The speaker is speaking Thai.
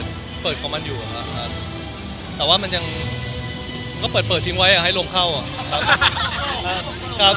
เราพร้อมที่จะจีบเขาไหมครับ